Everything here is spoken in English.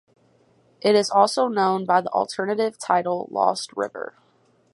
It is also known by the alternative title Lost River.